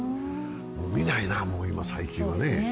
もう見ないな、最近はね。